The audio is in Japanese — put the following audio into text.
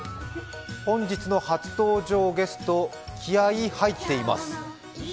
本日の初登場ゲスト、気合い入ってます。